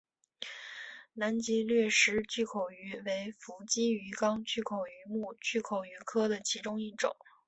南极掠食巨口鱼为辐鳍鱼纲巨口鱼目巨口鱼科的其中一种。